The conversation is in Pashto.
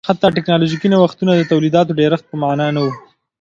حتی ټکنالوژیکي نوښتونه د تولیداتو ډېرښت په معنا نه و